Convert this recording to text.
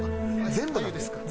全部全部ですから。